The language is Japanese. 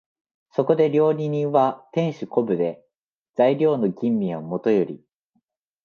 そこで料理人は転手古舞で、材料の吟味はもとより、